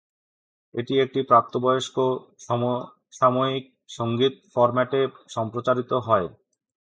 এটি একটি প্রাপ্তবয়স্ক সমসাময়িক সঙ্গীত ফরম্যাটে সম্প্রচারিত হয়।